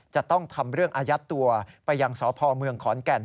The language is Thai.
จะต้องทำเรื่องอนุญาตไปหยังสปรคอนแก่น